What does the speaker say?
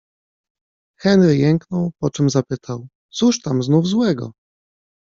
Henry jęknął, po czym zapytał: - Cóż tam znów złego?